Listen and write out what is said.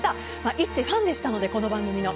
いちファンでしたのでこの番組の。